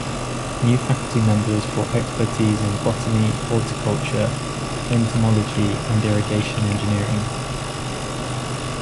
New faculty members brought expertise in botany, horticulture, entomology, and irrigation engineering.